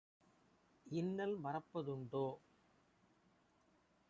இன்னல் மறப்ப துண்டோ?"